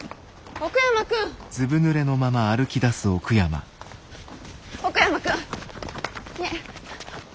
奥山君ねえ。